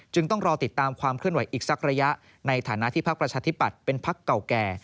ต้องรอติดตามความเคลื่อนไหวอีกสักระยะในฐานะที่พักประชาธิปัตย์เป็นพักเก่าแก่